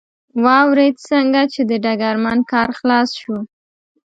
واورېد، څنګه چې د ډګرمن کار خلاص شو.